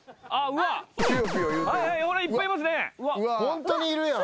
ホントにいるやん。